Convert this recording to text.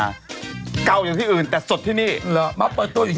โอเคสาปริศนา